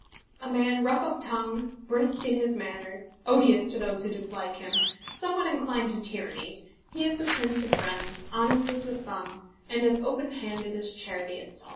A man rough of tongue, brusque in his manners, odious to those who dislike him, somewhat inclined to tyranny, he is the prince of friends, honest as the sun, and as open handed as Charity itself.